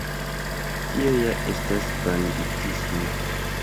Tio ja estas banditismo!